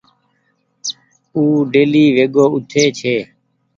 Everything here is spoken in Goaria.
او ڊيلي ويگو اُٺي ڇي۔